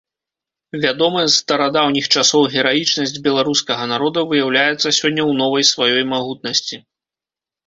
Вядомая з старадаўніх часоў гераічнасць беларускага народа выяўляецца сёння ў новай сваёй магутнасці.